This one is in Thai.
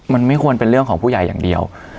มันไม่ควรเป็นเรื่องของผู้ใหญ่อย่างเดียว